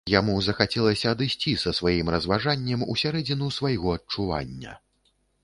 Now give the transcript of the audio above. Яму захацелася адысці са сваім разважаннем усярэдзіну свайго адчування.